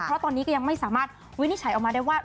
เพราะตอนนี้ก็ยังไม่สามารถวินิจฉัยออกมาได้ว่า